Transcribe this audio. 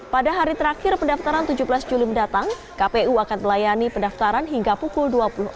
pada hari terakhir pendaftaran tujuh belas juli mendatang kpu akan melayani pendaftaran hingga pukul dua puluh empat